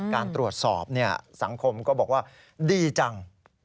การตรวจสอบสังคมก็บอกว่าดีจัง